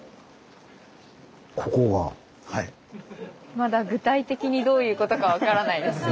まだ具体的にどういうことか分からないですよね。